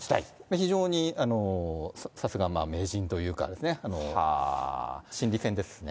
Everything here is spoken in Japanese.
非常にさすが、名人というかですね、心理戦ですね。